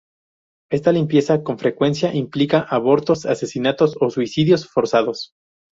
Esta limpieza con frecuencia implica abortos, asesinatos o suicidios forzados.